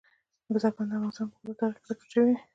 بزګان د افغانستان په اوږده تاریخ کې ذکر شوی دی.